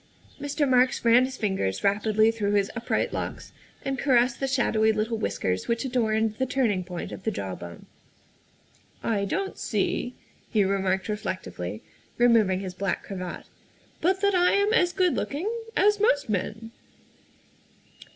'' Mr. Marks ran his fingers rapidly through his upright locks and caressed the shadowy little whiskers which adorned the turning point of the jaw bone. " I don't see," he remarked reflectively, removing his black cravat, " but that I am as good looking as most men.